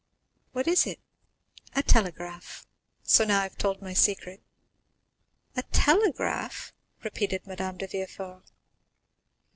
"What is it?" "A telegraph. So now I have told my secret." "A telegraph?" repeated Madame de Villefort.